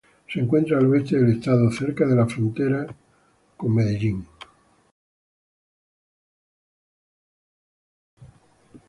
Se encuentra al oeste del estado, cerca de la frontera con Kentucky.